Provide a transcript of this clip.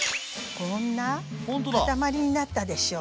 こんな塊になったでしょ？